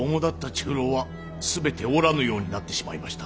中臈は全ておらぬようになってしまいました。